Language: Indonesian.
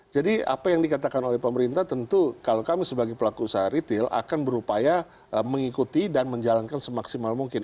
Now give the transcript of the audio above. jadi apa yang dikatakan oleh pemerintah tentu kalau kami sebagai pelaku usaha retail akan berupaya mengikuti dan menjalankan semaksimal mungkin